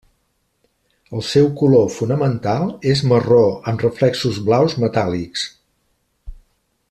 El seu color fonamental és marró amb reflexos blaus metàl·lics.